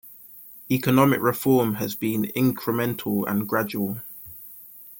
Economic reform has been incremental and gradual.